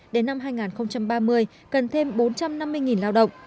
đến năm hai nghìn ba mươi cần thêm bốn trăm năm mươi lao động